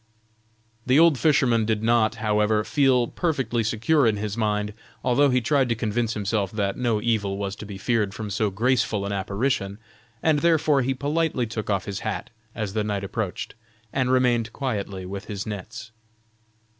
The old fisherman did not, however, feel perfectly secure in his mind, although he tried to convince himself that no evil was to be feared from so graceful an apparition; and therefore he politely took off his hat as the knight approached, and remained quietly with his nets.